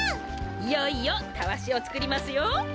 いよいよタワシをつくりますよ！